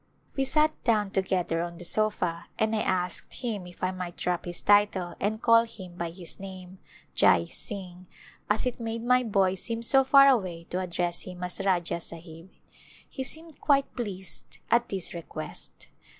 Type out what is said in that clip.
We sat down together on the sofa and I asked him if I might drop his title and call him by his name, Jai Singh, as it made my boy seem so far away to address him as Rajah Sahib. He seemed quite pleased at this re quest.